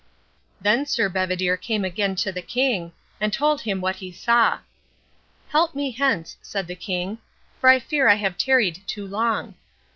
Then Sir Bedivere came again to the king, and told him what he saw. "Help me hence," said the king, "for I fear I have tarried too long."